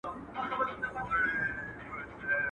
غر و غره ته نه رسېږي، سړى و سړي ته رسېږي.